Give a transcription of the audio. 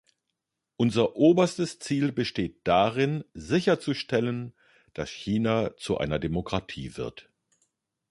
Unser oberstes Ziel besteht darin sicherzustellen, dass China zu einer Demokratie wird.